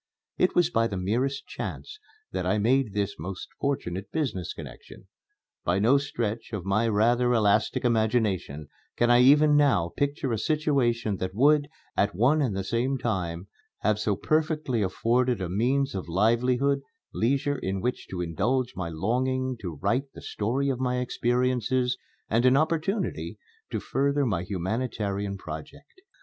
It was by the merest chance that I made this most fortunate business connection. By no stretch of my rather elastic imagination can I even now picture a situation that would, at one and the same time, have so perfectly afforded a means of livelihood, leisure in which to indulge my longing to write the story of my experiences, and an opportunity to further my humanitarian project.